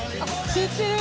「知ってる！